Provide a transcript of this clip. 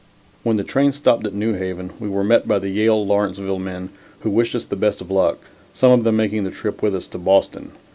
When the train stopped at New Haven, we were met by the Yale Lawrenceville men, who wished us the best of luck; some of them making the trip with us to Boston.